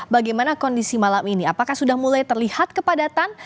bagaimana kondisi malam ini apakah sudah mulai terlihat kepadatan